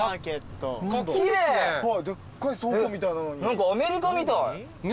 何かアメリカみたい。